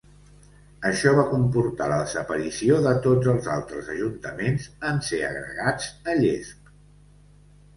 Això va comportar la desaparició de tots els altres ajuntaments, en ser agregats a Llesp.